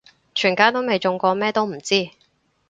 全家都未中過咩都唔知